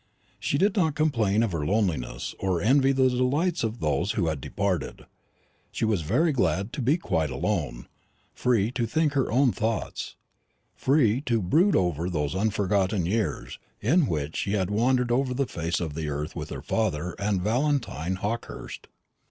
She did not complain of her loneliness, or envy the delights of those who had departed. She was very glad to be quite alone, free to think her own thoughts, free to brood over those unforgotten years in which she had wandered over the face of the earth with her father and Valentine Hawkehurst.